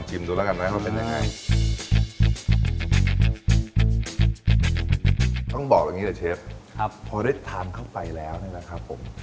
ช่องบอกแบบนี้เชฟครับเพราะได้ทานเข้าไปแล้วนี่แหละครับครับวู